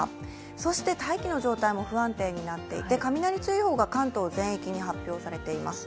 そして大気の状態も不安定になっていて雷注意報が関東全域に発表されています。